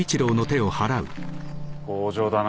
強情だな。